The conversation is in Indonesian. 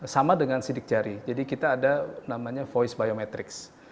sama dengan sidik jari jadi kita ada namanya voice biometrics